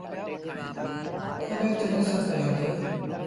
تڏهيݩ چنيسر ڪيآندي ۔